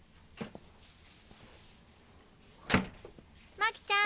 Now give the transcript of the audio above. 真姫ちゃん。